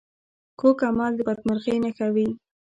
کوږ عمل د بدمرغۍ نښه وي